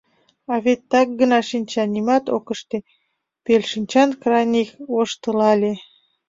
— А вет так гына шинча, нимат ок ыште, — пелшинчан Краних воштылале.